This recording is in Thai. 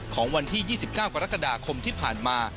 ของวันที่๒๙กรกฎาคมที่ผ่านมา